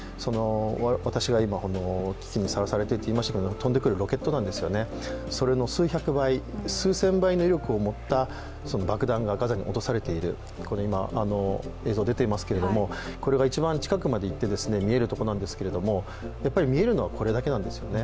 私は今、危機にさらされているといいましたけれども飛んでくるロケット弾、それの数百倍数千倍の威力を持った爆弾がガザに落とされている、今、映像出ていますけれどもこれが一番近くまで行って見えるところなんですけど、見えるのはこれだけなんですよね。